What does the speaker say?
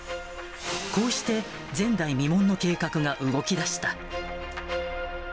こうして前代未聞の計画が動きだした。